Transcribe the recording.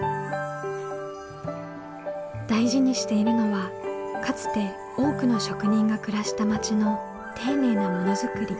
大事にしているのはかつて多くの職人が暮らした町の丁寧なものづくり。